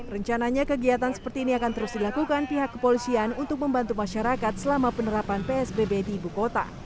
rencananya kegiatan seperti ini akan terus dilakukan pihak kepolisian untuk membantu masyarakat selama penerapan psbb di ibu kota